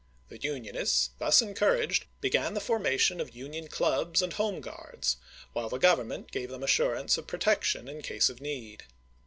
The Unionists, thus encour aged, began the formation of Union Clubs and Home Guards, while the Grovernraent gave them assurance of protection in case of need.